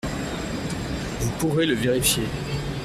Vous pourrez le vérifier.